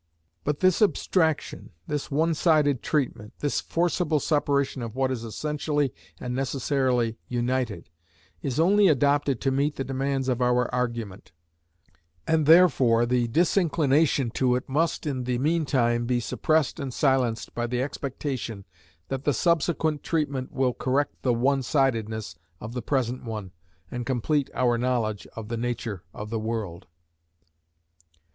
But this abstraction, this one sided treatment, this forcible separation of what is essentially and necessarily united, is only adopted to meet the demands of our argument; and therefore the disinclination to it must, in the meantime, be suppressed and silenced by the expectation that the subsequent treatment will correct the one sidedness of the present one, and complete our knowledge of the nature of the world.